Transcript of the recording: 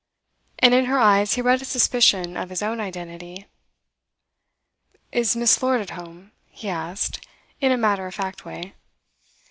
And in her eyes he read a suspicion of his own identity. 'Is Miss. Lord at home?' he asked, in a matter of fact way.